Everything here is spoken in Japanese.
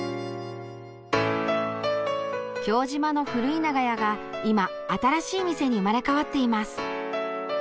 京島の古い長屋が今新しい店に生まれ変わっています。